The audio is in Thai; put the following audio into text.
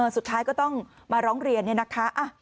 สุดท้ายก็ต้องมาร้องเรียนเนี่ยนะคะ